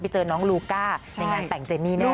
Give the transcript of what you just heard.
เจอน้องลูก้าในงานแต่งเจนี่แน่